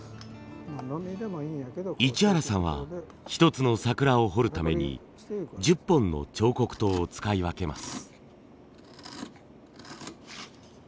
市原さんは一つの桜を彫るために１０本の彫刻刀を使い分けます。